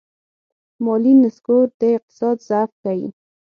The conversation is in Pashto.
مالي نسکور د اقتصاد ضعف ښيي.